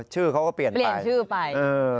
ชื่อเขาก็เปลี่ยนไป